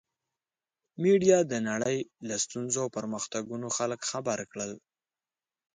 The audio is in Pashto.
میډیا د نړۍ له ستونزو او پرمختګونو خلک خبر کړل.